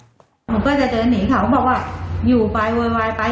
หนูก็จะเดินหนีเขาก็บอกว่าอยู่ไปโวยวายไป